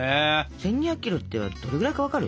１，２００キロってどのくらいか分かる？